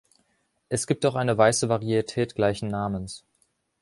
Es gibt auch eine weiße Varietät gleichen Namens.